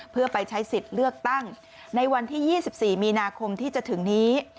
เพื่อไปใช้สิทธิ์เลือกตั้งในวันที่๒๔มีนาคมที่จะถึงนี้